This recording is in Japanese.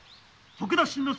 徳田新之助？